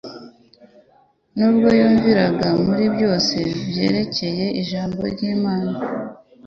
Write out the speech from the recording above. Nubwo yumviraga muri byose byerekeye Ijambo ry'Imana,